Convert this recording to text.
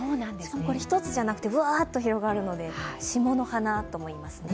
１つじゃなくてぶわーっと広がるので霜の花ともいいますね。